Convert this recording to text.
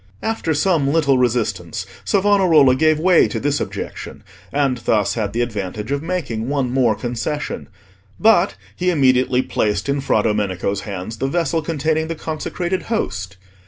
After some little resistance Savonarola gave way to this objection, and thus had the advantage of making one more concession; but he immediately placed in Fra Domenico's hands the vessel containing the consecrated Host.